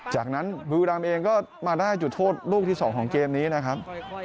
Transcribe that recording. จากนั้นบุรีรำเองก็มาได้จุดโทษลูกที่๒ของเกมนี้นะครับ